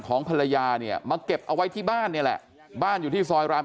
ภรรยาเนี่ยมาเก็บเอาไว้ที่บ้านเนี่ยแหละบ้านอยู่ที่ซอยราม